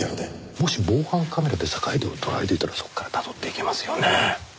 もし防犯カメラで坂出を捉えていたらそこからたどっていけますよね。